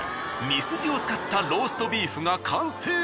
ミスジを使ったローストビーフが完成。